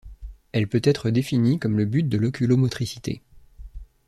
Elle peut être définie comme le but de l'oculomotricité.